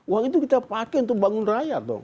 uang itu kita pakai untuk bangun rakyat dong